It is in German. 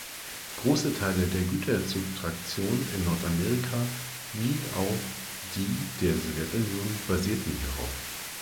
Große Teile der Güterzug-Traktion in Nordamerika wie auch die der Sowjetunion basierten hierauf.